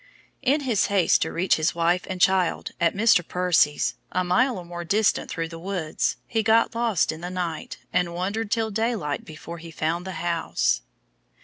In his haste to reach his wife and child at Mr. Percy's, a mile or more distant through the woods, he got lost in the night, and wandered till daylight before he found the house.